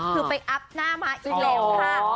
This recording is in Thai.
คือไปอัพหน้าม้าอีกแล้วค่ะ